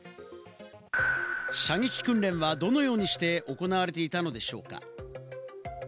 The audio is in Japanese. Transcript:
射撃訓練はどのようにして行われていたのでしょうか？